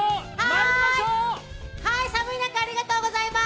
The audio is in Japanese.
寒い中、ありがとうございます。